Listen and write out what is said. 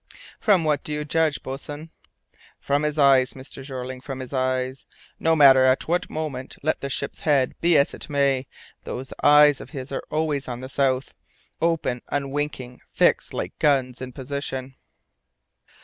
"From what do you judge, boatswain?" "From his eyes, Mr. Jeorling, from his eyes. No matter at what moment, let the ship's head be as it may, those eyes of his are always on the south, open, unwinking, fixed like guns in position."